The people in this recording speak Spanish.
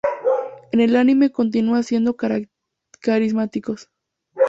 En el anime continúan siendo carismáticos.